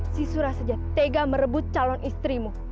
si surah saja tega merebut calon istrimu